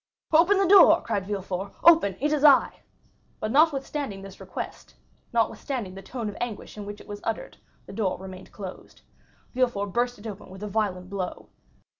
"Open the door!" cried Villefort. "Open; it is I." But notwithstanding this request, notwithstanding the tone of anguish in which it was uttered, the door remained closed. Villefort burst it open with a violent blow.